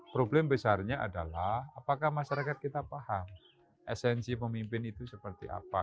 problem besarnya adalah apakah masyarakat kita paham esensi pemimpin itu seperti apa